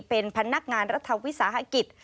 เป็นพนักงานรัฐวิสาหกิจ